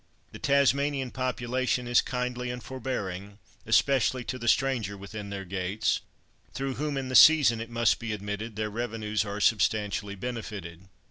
The Tasmanian population is kindly and forbearing, especially to the stranger within their gates, through whom, in the season, it must be admitted, their revenues are substantially benefited.